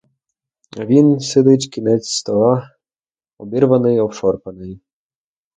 А він сидить кінець стола обірваний, обшарпаний.